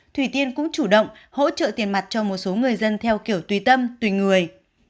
thủy tiên cũng chủ động hỗ trợ tiền mặt cho một số người dân theo kiểu tùy tâm tùy người